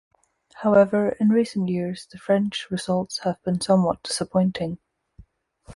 However, in recent years, the French results have been somewhat disappointing.